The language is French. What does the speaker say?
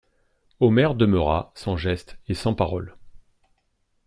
Omer demeura, sans geste et sans parole.